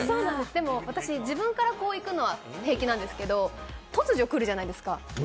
でも私、自分から行くのは平気なんですけど、突如来るじゃないですか。